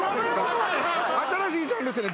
新しいジャンルっすね